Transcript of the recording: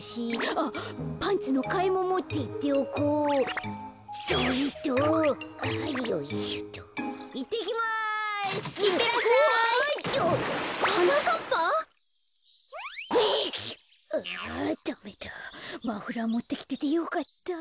ああダメだマフラーもってきててよかった。